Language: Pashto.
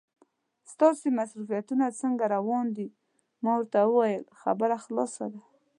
ستاسې مصروفیتونه څنګه روان دي؟ راته یې وویل خبره خلاصه ده.